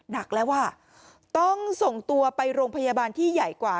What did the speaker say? หนักแล้วอ่ะต้องส่งตัวไปโรงพยาบาลที่ใหญ่กว่า